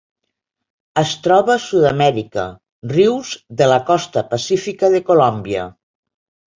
Es troba a Sud-amèrica: rius de la costa pacífica de Colòmbia.